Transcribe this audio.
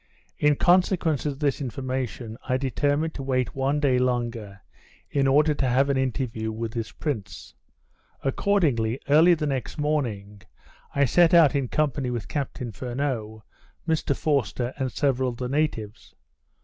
In consequence of this information, I determined to wait one day longer, in order to have an interview with this prince. Accordingly, early the next morning, I set out in company with Captain Furneaux, Mr Forster, and several of the natives.